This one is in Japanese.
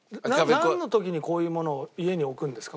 なんの時にこういうものを家に置くんですか？